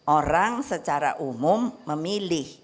orang secara umum memilih